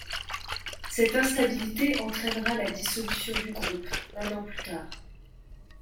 Cette instabilité entrainera la dissolution du groupe un an plus tard.